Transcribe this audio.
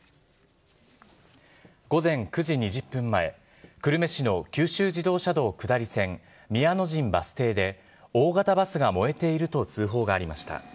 午前９時２０分前、久留米市の九州自動車道下り線、宮の陣バス停で大型バスが燃えていると通報がありました。